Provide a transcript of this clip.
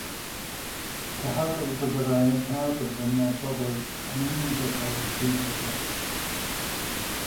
Cyhoeddwyd y byddai'r penodwyr yn adrodd yn uniongyrchol i'r prif weithredwr.